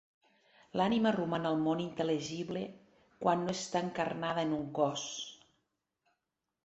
L'ànima roman al món intel·ligible quan no està encarnada en un cos.